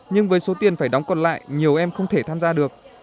nhưng với số tiền phải đóng còn lại nhiều em không thể tham gia được